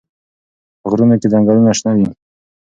په غرونو کې ځنګلونه شنه دي.